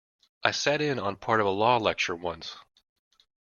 I sat in on part of a law lecture once.